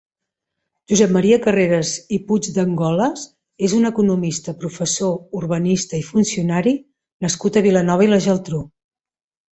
Josep Maria Carreras i Puigdengolas és un economista, professor, urbanista i funcionari nascut a Vilanova i la Geltrú.